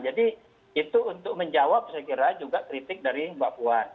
jadi itu untuk menjawab saya kira juga kritik dari mbak puan